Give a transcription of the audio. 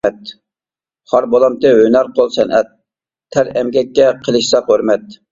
خار بولامتى ھۈنەر قول سەنئەت، تەر ئەمگەككە قىلىشساق ھۆرمەت.